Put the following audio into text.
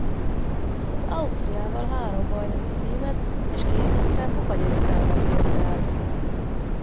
Az Austriával három bajnoki címet és két osztrák kupagyőzelmet ért el.